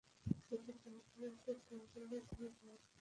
যদি কেহ তোমাকে চোর বলিয়া ধরে তাহাকে আমার নিকটে লইয়া আসিবে।